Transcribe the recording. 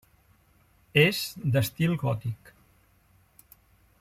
És d'estil gòtic.